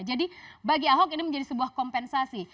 jadi bagi ahok ini menjadi sebuah kompensasi